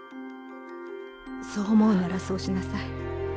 そう思うならそうしなさい。